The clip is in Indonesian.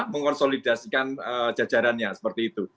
mengkonsolidasikan jajarannya seperti itu